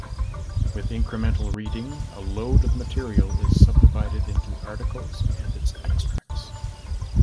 With incremental reading, a load of material is subdivided into articles and its extracts.